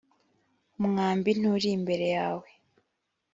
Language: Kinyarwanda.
umwambi nturi imbere yawe ‽